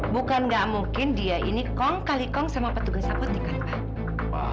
bukan gak mungkin dia ini kongkali kong sama petugas apotek kan pak